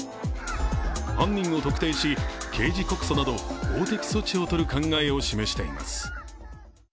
犯人を特定し、刑事告訴など法的措置を取る考えを示しています。